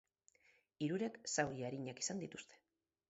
Hirurek zauri arinak izan dituzte.